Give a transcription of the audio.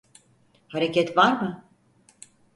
Hareket var mı?